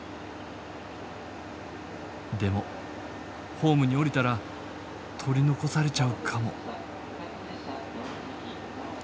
でもホームに降りたら取り残されちゃうかも。